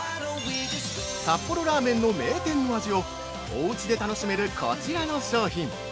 ◆札幌ラーメンの名店の味をおうちで楽しめるこちらの商品。